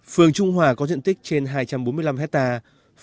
phường trung hòa có diện tích trên hai trăm bốn mươi năm hectare